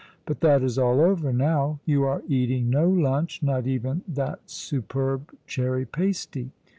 But that is all over now. You are eating no lunch — not even that superb cherry pasty.